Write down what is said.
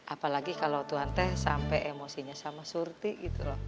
apalagi kalau tuhan teh sampai emosinya sama surti gitu loh